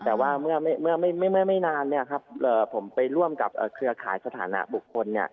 แต่ว่าเมื่อไม่นานผมไปร่วมกับเครือข่ายสถานะบุคคล